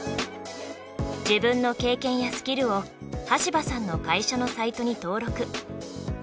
自分の経験やスキルを端羽さんの会社のサイトに登録。